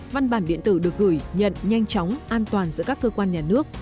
văn bản điện tử được gửi nhận nhanh chóng an toàn giữa các cơ quan nhà nước